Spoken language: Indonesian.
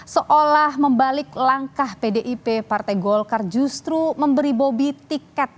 seolah membalik langkah pdip partai golkar justru memberi bobi tiket